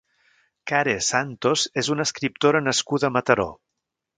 Care Santos és una escriptora nascuda a Mataró.